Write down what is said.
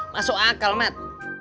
masuk akal mat